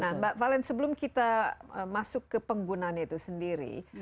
mbak valen sebelum kita masuk ke penggunaan itu sendiri